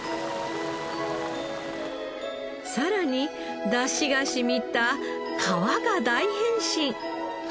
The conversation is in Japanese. さらに出汁が染みた皮が大変身！